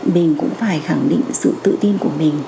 mình cũng phải khẳng định sự tự tin của mình